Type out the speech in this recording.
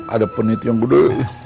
ada peniti yang gede